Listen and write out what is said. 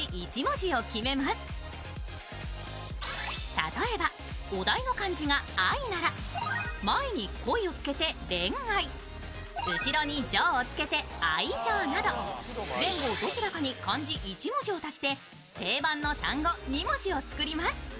例えば、お題の漢字が「愛」なら前に「恋」つけて恋愛、後ろに「情」をつけて愛情など前後どちらかに漢字１文字を足して定番の単語２文字を作ります。